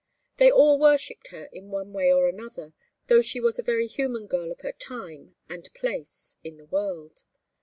They all worshipped her in one way or another, though she was a very human girl of her time and place in the world.